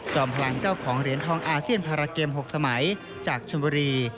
พลังเจ้าของเหรียญทองอาเซียนพาราเกม๖สมัยจากชมบุรี